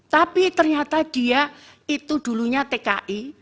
tapi ternyata dia itu dulunya tki